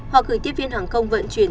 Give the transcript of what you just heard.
hoặc gửi tiếp viên hàng không vận chuyển